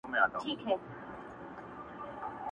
له ازله مي راوړي پر تندي باندي زخمونه٫